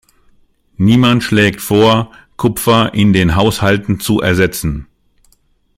Niemand schlägt vor, Kupfer in den Haushalten zu ersetzen.